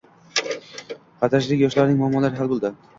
Xatirchilik yoshlarning muammolari hal bo‘ldi